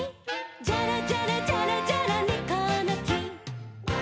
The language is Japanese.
「ジャラジャラジャラジャラネコのき」